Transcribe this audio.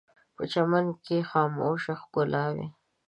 په چمن کې خاموشه ښکلا وي